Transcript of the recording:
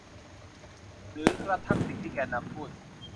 หรือกระทั่งสิ่งที่แกนนำพูด